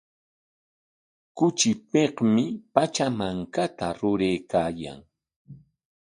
Kuchipikmi Pachamankata ruraykaayan.